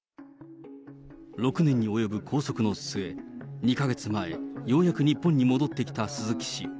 ６年に及ぶ拘束の末、２か月前、ようやく日本に戻ってきた鈴木氏。